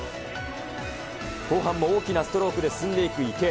後半も大きなストロークで進んでいく池江。